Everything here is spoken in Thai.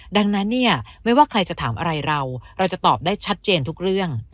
ดังนั้นเนี่ยไม่ว่าใครจะถามอะไรเราเราจะตอบได้ชัดเจนทุกเรื่อง